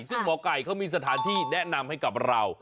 ซึ่งหมอไก่เขามีสถานที่แนะนำให้กับเรา